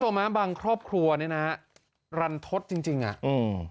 ตัวม้าบังครอบครัวเนี่ยนะรันทศจริงจริงอ่ะอืม